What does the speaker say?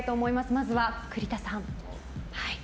まずは栗田さん。